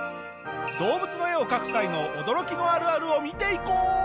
動物の絵を描く際の驚きのあるあるを見ていこう！